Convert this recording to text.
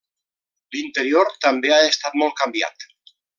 L'interior també ha estat molt canviat.